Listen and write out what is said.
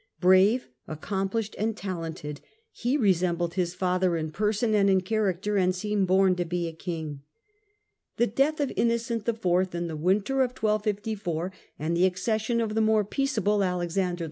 Brave, accomplished and talented, he resembled his father in person and in character, and seemed born to be a king. The death of Innocent IV. in the winter of 1254, and the accession of the more peaceable Alexander IV.